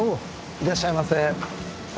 いらっしゃいませ。